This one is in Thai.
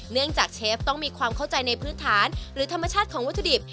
จากเชฟต้องมีความเข้าใจในพื้นฐานหรือธรรมชาติของวัตถุดิบ